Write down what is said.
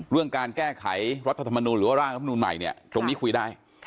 เรื่องการแก้ไขรัฐธรรมนุษย์หรือว่าร่างรัฐธรรมนุษย์ใหม่ตรงนี้คุยได้